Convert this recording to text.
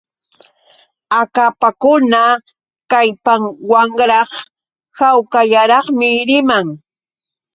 Akapakuna kallpawanraq hawkallaraqmi riman.